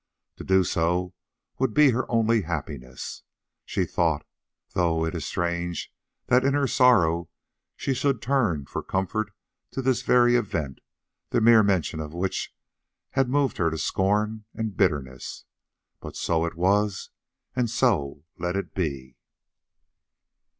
To do so would be her only happiness, she thought, though it is strange that in her sorrow she should turn for comfort to this very event, the mere mention of which had moved her to scorn and bitterness. But so it was, and so let it be.